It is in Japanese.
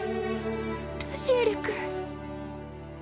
ルシエル君